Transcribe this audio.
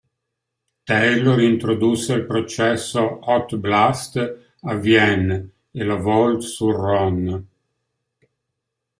Taylor introdusse il processo "hot blast" a Vienne e La Voulte-sur-Rhône.